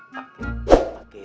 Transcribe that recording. pake p sih pake a